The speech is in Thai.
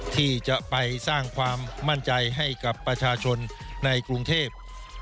ที่จะไปสร้างความมั่นใจให้กับประชาชนในกรุงเทพ